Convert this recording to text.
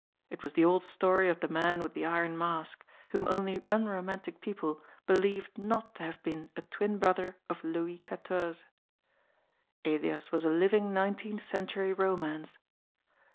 It was the old story of the Man with the Iron Mask, whom only unromantic people believed not to have been a twin brother of Louis XIV. Elias was a living nineteenth century romance.